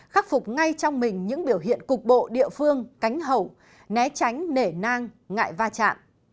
khắc phục ngay trong mình những biểu hiện cục bộ địa phương cánh hậu né tránh nể nang ngại va chạm